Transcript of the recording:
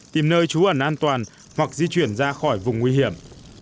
tìm nơi trú ẩn an toàn hoặc di chuyển ra khỏi vùng nguy hiểm